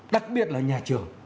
đặc biệt là nhà trường